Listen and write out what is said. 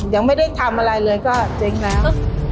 ยังไม่ได้ทำอะไรเลยก็เจ๊งแล้ว